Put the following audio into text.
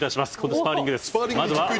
スパーリングです」